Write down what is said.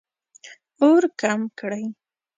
اور کم کړئ